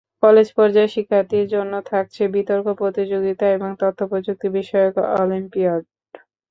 College পর্যায়ের শিক্ষার্থীদের জন্য থাকছে বিতর্ক প্রতিযোগিতা এবং তথ্যপ্রযুক্তি বিষয়ক অলিম্পিয়াড।